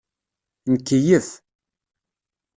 Nkeyyef.